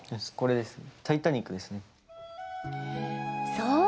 そう！